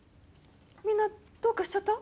みんなどうかしちゃった？